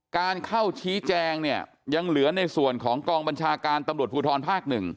การเข้าชี้แจงเนี่ยยังเหลือในส่วนของกองบัญชาการตำรวจภูทรภาค๑